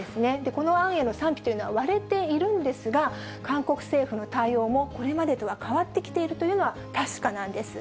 この案への賛否というのは割れているんですが、韓国政府の対応もこれまでとは変わってきているというのは確かなんです。